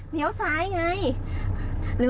เนี่ยวซ้ายไง